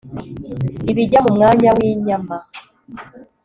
Ibijya mu Mwanya wInyama